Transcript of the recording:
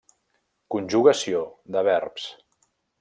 Conjugació de verbs.